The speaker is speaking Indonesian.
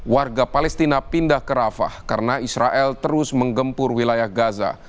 warga palestina pindah ke rafah karena israel terus menggempur wilayah gaza